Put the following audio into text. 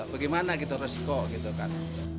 bagaimana gitu resiko gitu kan